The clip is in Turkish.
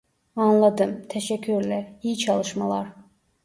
Anladım, teşekkürler iyi çalışmalar